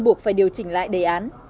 buộc phải điều chỉnh lại đề án